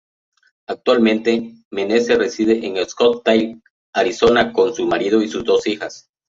Actualmente, Meneses reside en Scottsdale, Arizona con su marido y sus dos hijas.